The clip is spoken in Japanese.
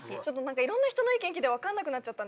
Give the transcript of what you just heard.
いろんな人の意見聞いて分かんなくなっちゃった。